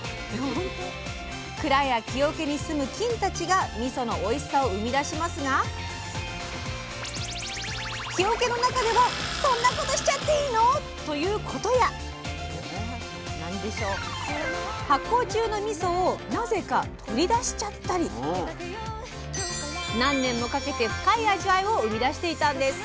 蔵や木おけに住む菌たちがみそのおいしさを生み出しますが木おけの中ではそんなことしちゃっていいの？ということや発酵中のみそをなぜか取り出しちゃったり⁉何年もかけて深い味わいを生み出していたんです。